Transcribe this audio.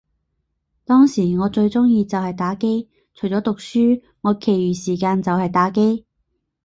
當時我最鍾意就係打機，除咗讀書，我其餘時間就係打機